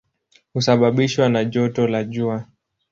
Husababishwa na joto la jua.